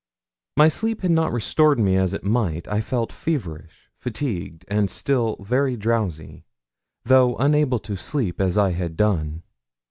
My sleep had not restored me as it might; I felt feverish, fatigued, and still very drowsy, though unable to sleep as I had done.